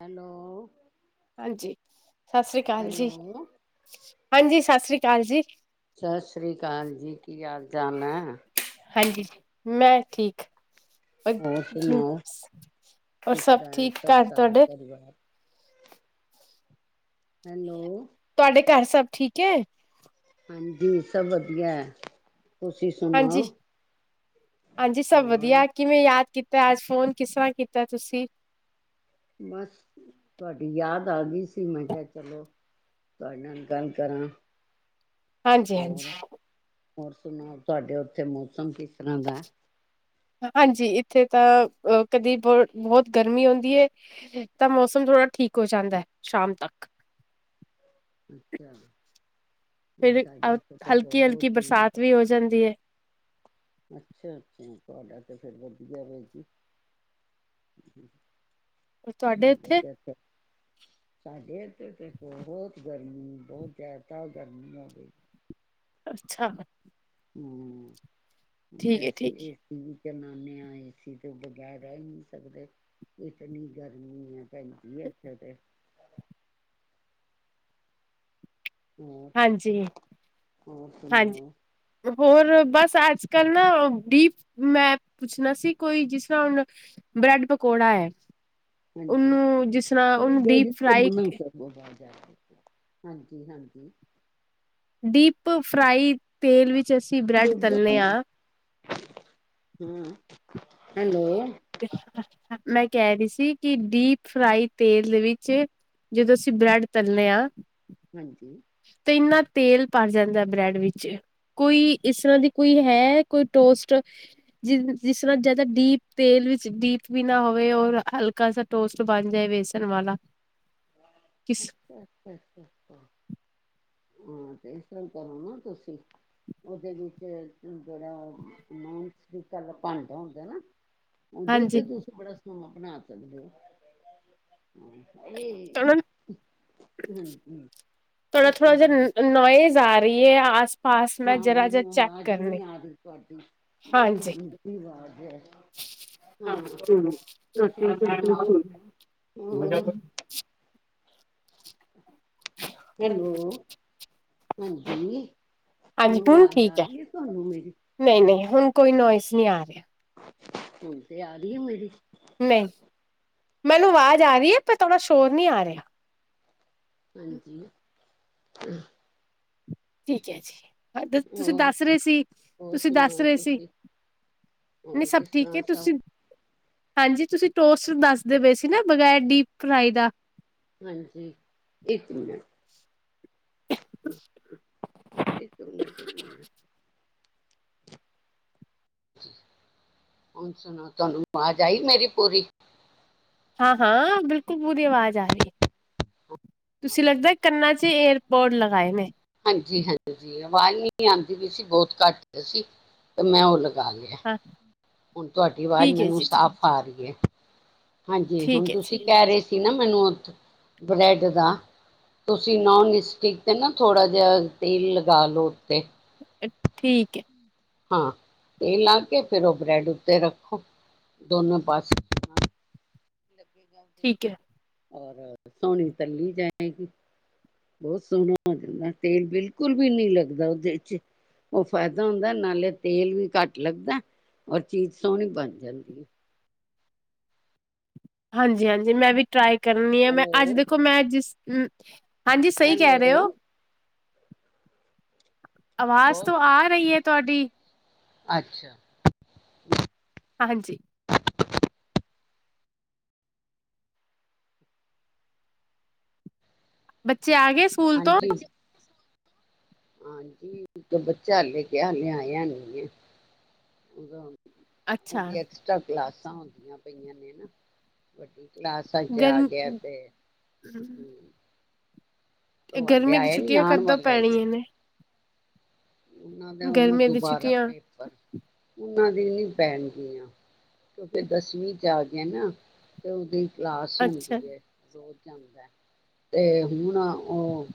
Hello. ਹਾਂਜੀ। ਸਤਿ ਸ੍ਰੀ ਅਕਾਲ ਜੀ। ਹੈਲੋ ਹਾਂਜੀ, ਸਤਿ ਸ੍ਰੀ ਅਕਾਲ ਜੀ। ਸਤਿ ਸ੍ਰੀ ਅਕਾਲ ਜੀ ਕੀ ਹਾਲ ਜਾਣਾ। ਹਾਂਜੀ ਮੈਂ ਠੀਕ। ਹੋਰ ਸੁਣਾਓ ਹੋਰ ਕਿਸ ਸਭ ਤਰ੍ਹਾਂ ਠੀਕ ਘਰ ਤੁਹਾਡੇ। ਪਰਿਵਾਰ ਹੈਲੋ। ਤੁਹਾਡੇ ਘਰ ਸਭ ਠੀਕ ਐ? ਹਾਂਜੀ ਸਭ ਵਧੀਆ। ਤੁਸੀਂ ਹਾਂਜੀ, ਸੁਣਾਓ ਹਾਂਜੀ ਸਭ ਹੋਰ ਵਧੀਆ ਕਿਵੇਂ ਯਾਦ ਕੀਤਾ। ਤੇ ਅੱਜ ਫੋਨ ਕਿਸ ਤਰ੍ਹਾਂ ਕੀਤਾ ਤੁਸੀਂ [unintelligible] ਤੁਹਾਡੀ ਯਾਦ ਆ ਗਈ ਸੀ। ਮੈਂ ਕਿਹਾ ਚਲੋ। [unintelligible] ਗੱਲ ਕਰ ਹਾਂਜੀ ਹਾਂਜੀ। ਹੋਰ ਸੁਣਾਓ ਤੁਹਾਡੇ ਉੱਥੇ ਮੌਸਮ ਕਿਸ ਕਿਣਾਦਾ ਹਾਂਜੀ ਇੱਥੇ ਤਾਂ ਆ ਕਦੀ ਬਹੁ ਬਹੁਤ ਗਰਮੀ ਹੁੰਦੀ ਐ ਤਾਂ ਮੌਸਮ ਥੋੜਾ ਠੀਕ ਹੋ ਜਾਂਦਾ ਸ਼ਾਮ ਤੱਕ। ਫਿਰ ਹਲਕੀ-ਹਲਕੀ [unintelligible] ਬਰਸਾਤ ਵੀ ਹੋ ਜਾਂਦੀ ਹੈ, [unintelligible] [inaudible] ਤੁਹਾਡੇ ਇੱਥੇ? [inaudible] [unintelligible] ਅੱਛਾ। ਹੂੰ। ਠੀਕ ਹੈ, ਠੀਕ ਵੈਸੀੇ ਹੈ, ਇਹ ਚੀਜ਼ ਜਨਾਨੇਿਆ ਏਸੀ ਤੋਂ ਬਗੈਰ ਰਹਿ ਹੀ ਨੀ ਸਕਦੇ ਇਤਨੀ ਗਰਮੀ ਹੈ ਪੈਂਦੀ ਇਥੇ ਤੇ ਹੋਰ ਹਾਂਜੀ, ਹੋਰ ਹਾਂਜੀ ਸੁਣਾਓ? ਹੋਰ ਬਸ ਅੱਜ ਕੱਲ ਨਾ ਡੀਪ ਮੈਂ ਪੁੱਛਣਾ ਸੀ ਕੋਈ ਜਿਸ ਤਰ੍ਹਾਂ ਹੁਣ ਬ੍ਰੈਡ ਪਕੌੜਾ ਐ। ਹਾਂਜੀ ਉਹਨੂੰ ਜਿਸ ਤਰ੍ਹਾਂ ਅਰੇ ਉਹਨੂੰ ਡੀਪ ਡੈਡੀ ਤੇ ਫਰਾਈ ਮਨਾ ਕਰ ਦੋ ਬਾਹਰ ਹਾਂਜੀ ਹਾਂਜੀ। ਡੀਪ ਫ੍ਰਈ ਤੇਲ ਵਿੱਚ ਜੇ ਅਸੀ ਬ੍ਰੈਡ ਤਲਣੇ ਆ। ਹਾਂ, ਹੈਲੋ। ਮੈਂ ਕਹਿ ਰਹੀ ਸੀ ਕਿ ਡੀਪ ਫਰਾਈ ਤੇਲ ਦੇ ਵਿੱਚ ਜਦੋਂ ਅਸੀਂ ਬ੍ਰੈਡ ਤਲਣੇ ਆ। ਹਾਂਜੀ। ਤੇ ਇੰਨਾ ਤੇਲ ਭਰ ਜਾਂਦਾ ਬ੍ਰੈਡ ਵਿੱਚ ਕੋਈ ਇਸ ਤਰ੍ਹਾਂ ਦੀ ਕੋਈ ਹੈ ਕੋਈ ਟੋਸਟ ਜ ਜਿਸ ਤਰ੍ਹਾਂ ਜਿਆਦਾ ਡੀਪ ਤੇਲ ਵਿੱਚ ਡੀਪ ਵੀ ਨਾ ਹੋਵੇ ਔਰ ਹਲਕਾ ਸਾ ਟੋਸਟ ਬਣ ਜਾਏ ਬੇਸਣ ਵਾਲਾ। ਕਿਸ ਅੱਛਾ ਅੱਛਾ। ਹਾਂ, ਤੇ ਇਸ ਤਰ ਕਰੋ ਨਾ ਤੁਸੀਂ ਉਹਦੇ ਵਿੱਚ ਜਿਹੜਾ [unintelligible] ਭਾਂਡਾ ਹੁੰਦਾ ਨਾ। ਓਦੇ ਹਾਂਜੀ ਤੇ ਤੁਸੀਂ [inaudible] ਹਾਂ ਬਣਾ ਸਕਦਿਓ। ਇਹ ਹਾਂਜੀ ਥੋੜਾ ਇੱਕ ਥੋੜਾ ਜਾ ਮਿੰਟ ਨੋ ਨੋਇਸ ਆ ਰਹੀ ਐ ਆਸ ਪਾਸ ਮੈਂ ਹਾਂ, ਜਰਾ ਜ ਮੈਨੂੰ ਚੈੱਕ ਅਵਾਜ ਕਰਨੀ ਨਹੀਂ ਆ ਰਹੀ ਤੁਹਾਡੀ। ਬੜੀ ਹਾਂਜੀ ਆਂਦੀ ਅਵਾਜ਼ ਐ ਹਾਂ ਤੁਸੀਂ ਸੁਣਾਓ ਹੋਰ। ਹਾਂਜੀ ਹੈਲੋ ਹਾਂਜੀ ਮੈਨੂੰ ਹੁਣ ਆਵਾਜ਼ ਠੀਕ ਆ ਹੈ ਰਹੀ ਐ ਹੁਣ ਤੁਹਾਨੂੰ ਮੇਰੀ ਨਹੀਂ ਨਹੀਂ ਹੁਣ ਕੋਈ ਨੋਇਸ ਨਹੀਂ ਆ ਰਿਹਾ। ਹੁਣ ਤੇ ਆ ਰਹੀ ਮੇਰੀ। ਨਹੀਂ ਮੈਨੂੰ ਆਵਾਜ਼ ਆ ਰਹੀ ਐ ਪਰ ਥੋੜ੍ਹਾ ਸ਼ੋਰ ਨਹੀਂ ਆ ਰਿਹਾ। ਹਾਂਜੀ। ਹੂੰ। ਠੀਕ ਹੈ ਜੀ ਤੁਸੀਂ ਹੋਰ ਦੱਸ ਰਹੇ ਸੀ ਹੋਰ ਤੁਸੀਂ ਦੱਸ ਸੁਣਾਓ ਰਹੇ ਸੀ ਤੁਸੀਂ ਨਹੀਂ ਹੋਰ ਸਭ ਕਿਸ ਠੀਕ ਤਰ੍ਹਾਂ ਐ ਸਭ ਤੁਸੀਂ ਹਾਂਜੀ, ਤੁਸੀਂ ਟੋਸਟ ਦੱਸਦੇ ਪਏ ਸੀ ਨਾ ਬਗੈਰ ਡੀਪ ਫਰਾਈ ਦਾ। ਹਾਂਜੀ ਇੱਕ ਮਿੰਟ [unintelligible] ਹੁਣ ਸੁਣੋ ਤੁਹਾਨੂੰ ਆਵਾਜ਼ ਆਈ ਮੇਰੀ ਪੂਰੀ। ਹਾਂ ਹਾਂ, ਬਿਲਕੁਲ ਪੂਰੀ ਆਵਾਜ਼ ਆ ਰਹੀ ਹੈ। ਤੁਸੀਂ ਲੱਗਦਾ ਕੰਨਾ ਚ ਏਰਪੋਰਟ ਲਗਾਏ ਨੇ। ਹਾਂਜੀ ਹਾਂਜੀ, ਆਵਾਜ਼ ਨੀ ਆਂਦੀ ਪਈ ਸੀ ਬਹੁਤ ਘੱਟ ਸੀ ਤੇ ਮੈਂ ਉਹ ਲ ਲਗਾ ਲਿਆ। ਹਾਂ ਹੁਣ ਤੁਹਾਡੀ ਆਵਾਜ਼ ਠੀਕ ਹੈ ਮੈਨੂੰ ਜੀ ਸਾਫ਼ ਆ ਰਹੀ ਐ ਹਾਂਜੀ, ਹੁਣ ਠੀਕ ਹੈ ਤੁਸੀਂ ਜੀ ਕਹਿ ਰਹੇ ਸੀ ਨਾ ਮੈਨੂੰ ਬ੍ਰੈਡ ਦਾ ਤੁਸੀਂ ਨੋਨ ਸਟਿਕ ਤੇ ਨਾ ਥੋੜਾ ਜਿਹਾ ਤੇਲ ਲਗਾ ਲੋ ਉੱਤੇ। ਠੀਕ ਹੈ ਹਾਂ, ਤੇ ਲਾ ਕੇ ਫੇਰ ਉਹ ਬ੍ਰੈਡ ਉੱਤੇ ਰੱਖੋ ਦੋਨੋ ਪਾਸੇ। ਲੱਗੇਗਾ ਉਹਦੇ ਠੀਕ ਐ। ਔਰ ਸੋਹਣੀ ਤਲੀ ਜਾਏਗੀ ਬਹੁਤ ਸੋਹਣਾ ਹੋ ਜਾਂਦਾ ਤੇਲ ਬਿਲਕੁਲ ਵੀ ਨਹੀਂ ਲੱਗਦਾ ਉਹਦੇ ਚ ਉਹ ਫਾਇਦਾ ਹੁੰਦਾ ਨਾਲੇ ਤੇਲ ਵੀ ਘੱਟ ਲੱਗਦਾ ਔਰ ਚੀਜ਼ ਸੋਹਣੀ ਬਣ ਜਾਂਦੀ ਹੈ। ਹਾਂਜੀ ਹਾਂਜੀ ਮੈਂ ਵੀ ਟਰਾਈ ਕਰਨੀ ਐ ਮੈਂ ਅੱਜ ਹੈਲੋ ਦੇਖੋ ਮੈਂ ਜਿਸ ਹੂੰ। ਹਾਂਜੀ ਸਹੀ ਕਹਿ ਹੈਲੋ ਰਹੇ ਹੋ। ਆਵਾਜ਼ ਤੋਂ ਆ ਰਹੀ ਐ ਤੁਹਾਡੀ। ਅੱਛਾ। ਹਾਂਜੀ, ਬੱਚ ਚੇ ਆ ਗਏ ਸਕੂਲ ਤੋਂ। ਹਾਂਜੀ ਹਾਂਜੀ, ਇੱਕ ਬੱਚਾ ਹਲੇ ਗਿਆ ਹਲੇ ਆਇਆ ਨਹੀਂ ਆ। [unintelligible] ਅੱਛਾ ਉਹਦੀ ਐਕਸਟ੍ਰਾ ਕਲਾਸ। [unintelligible] ਹੁੰਦੀਆਂ ਪਈਆਂ ਨੇ ਨਾ ਵੱਡੀ ਗਰਮ [unintelligible] ਤੇ ਉਹ ਹਾਲੇ ਗਰਮੀਆਂ ਦੀ ਆਇਆ ਨੀ ਛੁੱਟੀਆਂ ਆਉਣ ਕਦੋਂ ਵਾਲਾ ਹੀ ਆ ਪੈੜੀਆਂ ਨੇ। ਉਹਨਾਂ ਦਾ ਹੁਣ ਗਰਮੀਆਂ ਦੀ ਦੁਬਾਰਾ ਛੁੱਟੀਆਂ ਪੇਪਰ ਉਹਨਾਂ ਦੀ ਨੀ ਪੈਣ ਗਈਆਂ ਕਿਉਂਕਿ ਦਸਵੀਂ ਚ ਆ ਗਏ ਨਾ ਤੇ ਉਹਦੀ। ਕਲਾਸ ਅੱਛਾ ਹੁੰਦੀ ਐ। ਤੇ ਹੁਣ ਉਹ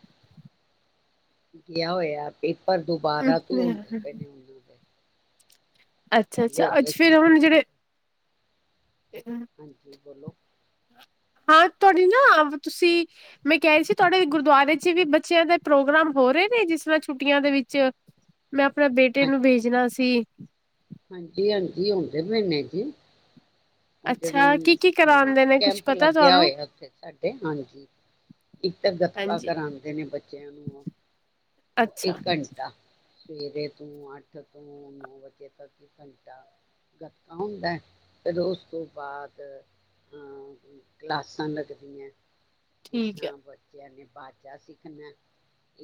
ਗਿਆ ਹੋਇਆ ਇੱਕ ਪਰ ਦੁਬਾਰਾ ਤੇ ਹੁੰਦੇ ਪਏ ਨੇ। ਅੱਛਾ ਪਹਿਲੇ ਅੱਛਾ ਹੋ ਅੱਜ ਗਏ ਸੀ ਫੇਰ ਹੁਣ ਟੈਸਟ ਜਿਹੜੇ। [inaudible] [inaudible] ਤੁਹਾਡੀ ਨਾ ਤੁਸੀਂ ਮੈਂ ਕਹਿ ਰਹੀ ਸੀ ਤੁਹਾਡੇ ਗੁਰਦਆਰੇ ਚ ਵੀ ਬੱਚਿਆਂ ਦੇ ਪ੍ਰੋਗਰਾਮ ਹੋ ਰਹੇ ਨੇ ਜਿਸ ਨਾਲ ਛੁੱਟੀਆਂ ਦੇ ਵਿੱਚ ਮੈਂ ਆਪਣੇ ਬੇਟੇ ਨੂੰ ਹਾਂਜੀ ਭੇਜਣਾ ਸੀ। ਹਾਂਜੀ, ਹਾਂਜੀ ਹੁੰਦੇ ਪਏ ਨੇ ਜੀ। ਉਹ ਅੱਛਾ ਜਿਹੜੀ ਕੀ ਕੀ ਹਾਂ, ਕਰਾਉਂਦੇ ਨੇ ਕੁੱਛ ਕੈਂਪ ਪਤਾ ਲੱਗਿਆ ਤੁਹਾਨੂੰ ਹੋਇਆ ਉੱਥੇ ਸਾਡੇ, ਹਾਂਜੀ ਇੱਕ ਤਾਂ ਗਤਕਾ ਹਾਂਜੀ ਕਰਾਂਦੇ ਨੇ ਬੱਚਿਆਂ ਨੂੰ ਅੱਛਾ ਇੱਕ ਘੰਟਾ। ਸਵੇਰੇ ਤੋਂ ਅੱਠ ਤੋਂ ਨੌ ਵਜੇ ਤੱਕ ਘੰਟਾ ਗੱਤਕਾ ਹੁੰਦਾ, ਫਿਰ ਉਸ ਤੋਂ ਬਾਅਦ ਕਲਾਸਾਂ ਲੱਗਦੀਆਂ। ਜਿਸ ਠੀਕ ਹੈ ਤਰਾ ਬੱਚਿਆਂ ਨੇ ਬਾਜਾ ਸਿੱਖਣਾ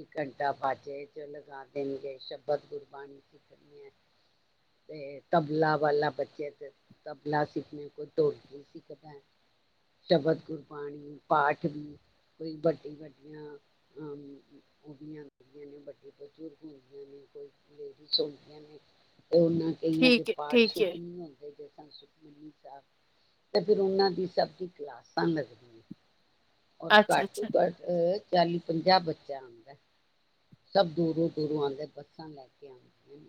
ਇਕ ਘੰਟਾ ਬਾਜੇ ਚ ਲਗਾ ਦੇਣਗੇ, ਸ਼ਬਦ ਗੁਰਬਾਣੀ ਸਿੱਖਣੀ ਹੈ। ਤੇ ਤਬਲਾ ਵਾਲਾ ਬੱਚੇ ਤੇ ਤਬਲਾ ਸਿੱਖ ਦੇ, ਕੋਈ ਢੋਲਕੀ ਸਿੱਖਦਾ, ਸ਼ਬਦ ਗੁਰਬਾਣੀ, ਪਾਠ ਵੀ, ਕੋਈ ਵੱਡੀ ਵੱਡੀਆਂ ਹਸਤੀਆ ਹੁੰਦੀਆਂ ਨੇ, ਵੱਡੇ ਬਜ਼ੁਰਗ ਹੁੰਦੀਆਂ ਨੇ, ਕਈ ਲੇਡੀਜ਼ ਹੁੰਦੀਆਂ ਨੇ। ਉਹਨਾਂ ਕਈਆਂ ਦੇ ਠੀਕ ਹੈ ਪਾਠ ਠੀਕ ਹੈ ਪੂਠ ਨਹੀਂ ਹੁੰਦੇ। ਸੁਖਮਨੀ ਸਾਹਿਬ ਤੇ ਫਿਰ ਉਹਨਾਂ ਦੀ ਸਭ ਦੀ ਕਲਾਸਾਂ ਲਗਦੀਆਂ। ਹੁਣ ਅੱਛਾ ਘੱਟੋ ਅੱਛਾ ਘੱਟ ਚਾਲੀ ਪੰਜਾਹ ਬੱਚਾ ਆਉਂਦਾ ਸਭ ਦੂਰੋਂ ਦੂਰੋਂ ਆਉਂਦੇ ਬੱਸਾਂ ਲੈ ਕੇ ਆਉਂਦੇ।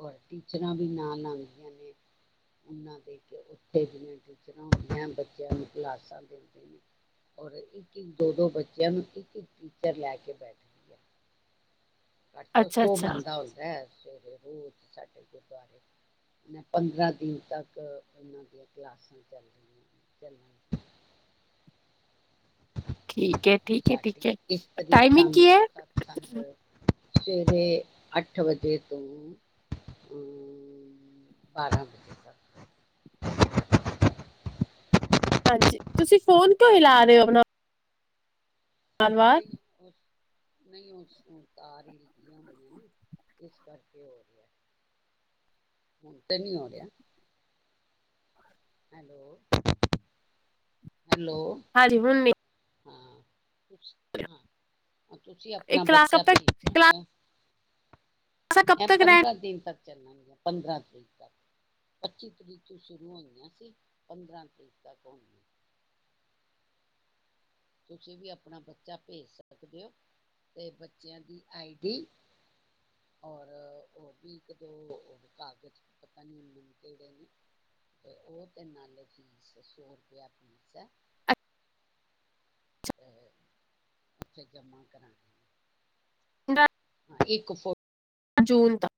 ਔਰ ਟੀਚਰਾਂ ਵੀ ਨਾਲ ਆਉਂਦੀਆਂ ਨੇ ਉਹਨਾਂ ਦੇ ਨਾਲ ਉੱਥੇ ਦੀਆਂ ਟੀਚਰਾਂ ਹੁੰਦੀਆਂ ਬੱਚਿਆਂ ਨੂੰ ਕਲਾਸਾਂ ਦਿੰਦੇ ਨੇ ਔਰ ਇੱਕ ਇੱਕ ਦੋ ਦੋ ਬੱਚਿਆਂ ਨੂੰ ਇੱਕ ਇੱਕ ਟੀਚਰ ਲੈ ਕੇ ਬੈਠਦੀ ਹੈ। ਅੱਠ ਅੱਛਾ ਸੌ ਅੱਛਾ ਬੰਦਾ ਹੁੰਦਾ ਸਾਡੇ ਗੁਰਦੁਆਰੇ ਪੰਦਰਾਂ ਦਿਨ ਤੱਕ ਉਹਨਾਂ ਦੀਆਂ ਕਲਾਸਾਂ ਚੱਲ ਰਹੀਆਂ ਠੀਕ ਹੈ ਠੀਕ ਹੈ ਸਾਡੀ ਠੀਕ ਹੈ ਇਸਤਰੀ ਟਾਈਮਿੰਗ ਸੰਗ ਕੀ ਏ। ਸਤਸੰਗ ਸਵੇਰੇ ਅੱਠ ਵਜੇ ਤੋਂ ਅ ਬਾਰਾਂ ਵਜੇ ਤੱਕ ਹਾਂਜੀ ਤੁਸੀਂ ਫੋਨ ਕਿਉਂ ਤੁਸੀਂ ਹੀਲਾ ਰਹੇ ਹੋ ਆਪਣਾ। ਵਾਰ [unintelligible] ਵਾਰ ਨਹੀਂ ਉਸਨੂੰ ਤਾਰ ਹੀ ਲੱਗੀਆਂ ਹੋਈਆਂ ਨੇ ਇਸ ਕਰਕੇ ਹੋ ਰਿਹਾ ਹੁਣ ਤਾਂ ਨਹੀਂ ਹੋ ਰਿਹਾ। Hello hello. ਹਾਂਜੀ, ਹੁਣ ਨਹੀਂ। ਹਾਂ ਹਾਂ ਤੁਸੀਂ ਇਹ ਆਪਣਾ ਕਲਾਸ ਕਬ ਬੱਚਾ ਤੱਕ ਭੇਜ ਕਲਾਸਾਂ ਦੇਨਾ ਕਬ ਐ ਤਕ ਰਹਿਣ ਪੰਦਰਾਂ ਦਿਨ ਤੱਕ ਚੱਲਣ ਗੀਆਂ ਪੰਦਰਾਂ ਤਰੀਕ ਤੱਕ ਪੱਚੀ ਤਰੀਕ ਤੋਂ ਸ਼ੁਰੂ ਹੋਈਆਂ ਸੀ ਪੰਦਰਾਂ ਤਰੀਕ ਤੱਕ ਹੋਈਆਂ। ਤੁਸੀਂ ਵੀ ਆਪਣਾ ਬੱਚਾ ਭੇਜ ਸਕਦੇ ਹੋ ਤੇ ਬੱਚਿਆਂ ਦੀ ਆਈ ਡੀ ਔਰ ਹੋਰ ਵੀ ਇੱਕ ਦੋ ਕਾਗਜ਼ ਪਤਾ ਨੀ ਕਿਹੜੇ ਨੇ ਤੇ ਉਹ ਤੇ ਨਾਲੇ ਫੀਸ ਸੌ ਰੁਪਿਆ ਫ਼ੀਸ ਹੈ। ਇੱਥੇ ਜਮਾ ਕਰਵਾਓਣ। [unintelligible] ਇੱਕ ਜੂਨ ਤੱਕ।